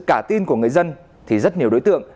cả tin của người dân thì rất nhiều đối tượng